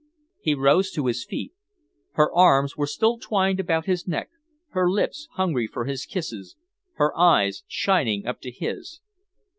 He rose to his feet. Her arms were still twined about his neck, her lips hungry for his kisses, her eyes shining up into his.